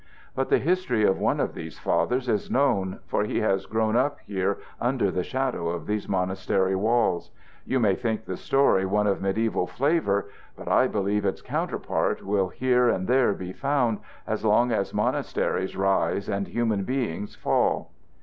But the history of one of these fathers is known, for he has grown up here under the shadow of these monastery walls. You may think the story one of mediæval flavor, but I believe its counterpart will here and there be found as long as monasteries rise and human beings fall.